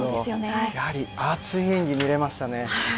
やはり熱い演技が見れましたね。